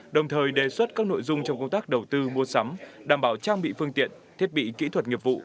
đồng thời đề xuất các nội dung trong công tác đầu tư mua sắm đảm bảo trang bị phương tiện thiết bị kỹ thuật nghiệp vụ